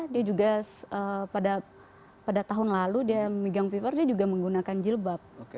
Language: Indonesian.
dia juga pada tahun lalu dia megang fifa dia juga menggunakan jilbab